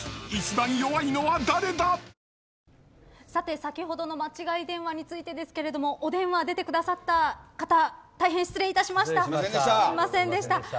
先ほどの間違い電話についてですけれどもお電話出てくださった方大変失礼いたしました。